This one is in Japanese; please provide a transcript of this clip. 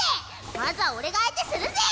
まずは俺が相手するぜ！